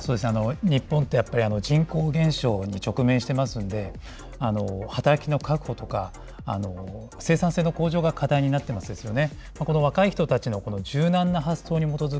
日本って人口減少に直面してますんで、働きの確保とか、生産性の向上が課題になってますよね。